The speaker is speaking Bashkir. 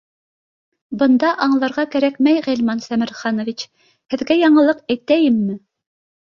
— Бында аңларға кәрәкмәй, Ғилман Сәмерханович, һеҙ гә яңылыҡ әйтәйемме?